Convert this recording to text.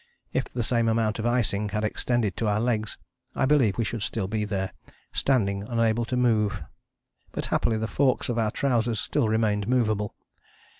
If the same amount of icing had extended to our legs I believe we should still be there, standing unable to move: but happily the forks of our trousers still remained movable.